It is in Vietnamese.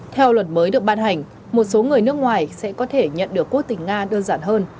theo luật mới được ban hành một số người nước ngoài sẽ có thể nhận được quốc tịch nga đơn giản hơn